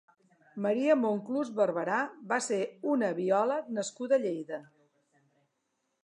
María Monclús Barberá va ser una biòleg nascuda a Lleida.